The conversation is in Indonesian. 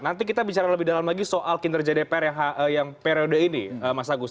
nanti kita bicara lebih dalam lagi soal kinerja dpr yang periode ini mas agus